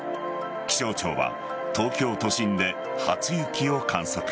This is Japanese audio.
気象庁は東京都心で初雪を観測。